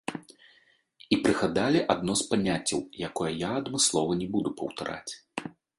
І прыгадалі адно з паняццяў, якое я адмыслова не буду паўтараць.